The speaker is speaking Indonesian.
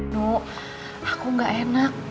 nuk aku gak enak